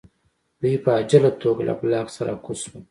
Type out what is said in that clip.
دوی په عاجله توګه له بلاک څخه راکوز شول